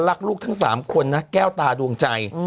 รักลูกทั้ง๓คนนะแก้วตาดวงใจ